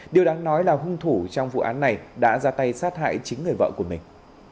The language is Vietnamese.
điều đáng nói là hung thủ trong vụ án này đã ra tay sát hại chính người vợ của mình